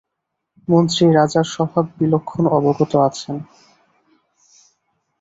মন্ত্রী রাজার স্বভাব বিলক্ষণ অবগত আছেন।